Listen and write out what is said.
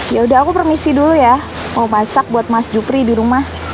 ya udah aku permisi dulu ya mau masak buat mas jupri di rumah